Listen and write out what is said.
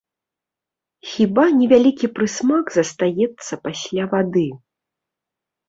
Хіба невялікі прысмак застаецца пасля вады.